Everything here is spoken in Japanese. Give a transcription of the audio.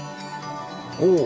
おお！